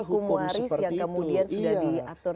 hukum waris yang kemudian sudah diatur